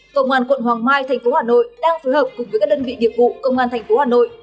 công an quận hoàng mai thành phố hà nội đang phối hợp cùng với các đơn vị nghiệp vụ công an thành phố hà nội